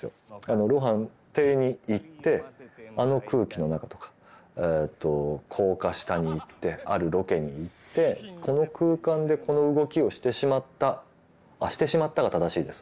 露伴邸に行ってあの空気の中とか高架下に行ってあるロケに行ってこの空間でこの動きをしてしまったあしてしまったが正しいです。